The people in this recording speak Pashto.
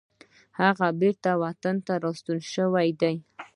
هغه بیرته وطن ته ستون شوی دی.